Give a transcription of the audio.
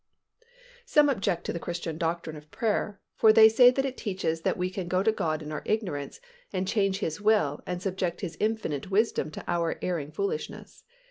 Some object to the Christian doctrine of prayer; for they say that it teaches that we can go to God in our ignorance and change His will and subject His infinite wisdom to our erring foolishness.